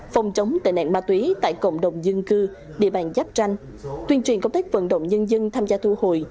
phòng chống tệ nạn ma túy tại cộng đồng dân cư địa bàn giáp tranh tuyên truyền công tác vận động nhân dân tham gia thu hồi